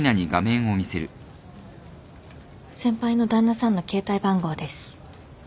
先輩の旦那さんの携帯番号です。